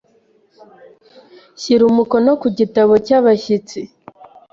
Shyira umukono ku gitabo cyabashyitsi .